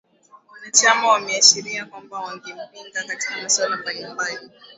Wanachama wameashiria kwamba wangempinga katika masuala mbali mbali